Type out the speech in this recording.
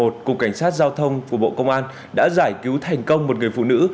cục cảnh sát giao thông của bộ công an đã giải cứu thành công một người phụ nữ